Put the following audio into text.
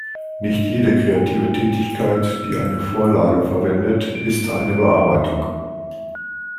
Nicht jede kreative Tätigkeit, die eine Vorlage verwendet, ist eine Bearbeitung.